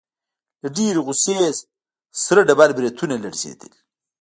له ډېرې غوسې يې سره ډبل برېتونه لړزېدل.